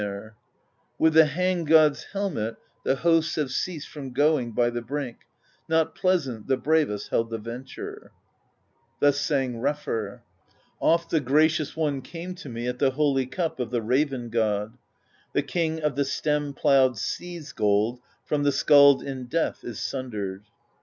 See Gylfaginning^ p. 30. 98 PROSE EDDA Thus sang Viga Gliimr: With the Hanged God's helmet The hosts have ceased from going By the brink; not pleasant The bravest held the venture. Thus sang Refr: Oft the Gracious One came to me At the holy cup of the Raven God; The king of the stem ploughed sea's gold From the skald in death is sundered.